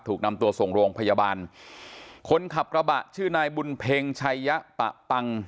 ถูกนำตัวส่งโรงพยาบาลคนขับกระบะชื่อนายบุญเพ็งชัยยะปะปัง